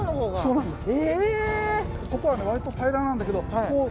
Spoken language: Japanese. そうなんです。